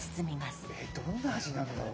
えどんな味なんだろう？